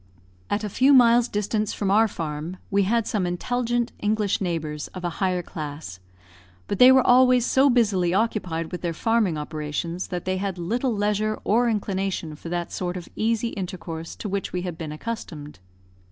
At a few miles' distance from our farm, we had some intelligent English neighbours, of a higher class; but they were always so busily occupied with their farming operations that they had little leisure or inclination for that sort of easy intercourse to which we had been accustomed.